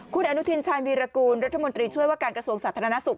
คุณอนุทินชาญวีรกูลรัฐมนตรีช่วยว่าการกระทรวงสาธารณสุข